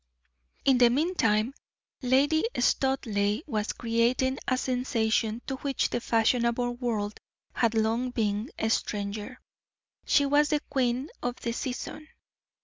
In the meantime Lady Studleigh was creating a sensation to which the fashionable world had long been a stranger. She was the queen of the season.